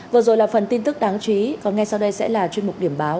vừa rồi là phần tin tức đáng chú ý còn ngay sau đây sẽ là chuyên mục điểm báo